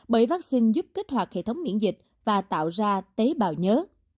bởi vaccine giúp kích hoạt hệ thống miễn dịch và tạo ra tế bào nhớ